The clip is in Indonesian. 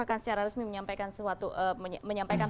akan secara resmi menyampaikan